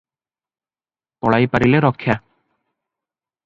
ପଳାଇପାରିଲେ ରକ୍ଷା ।